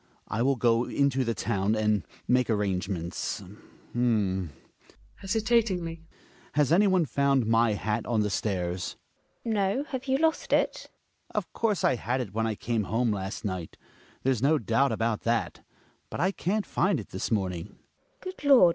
I will go into the town and make arrangements H'm {hesitatingly). Has anyone found my hat on the stairs ? ^yr fetis*^? THE WILD DUCK. 127 GiNA. No. Have you lost it? Hjalmar. Of course I had it when I came home last might; there's no doubt about that; but I can't find it this morning. GiNA. Good Lord